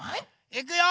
いくよ！